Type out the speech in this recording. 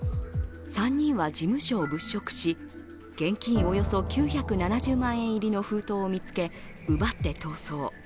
３人は事務所を物色し、現金およそ９７０万円入りの封筒を見つけ、奪って逃走。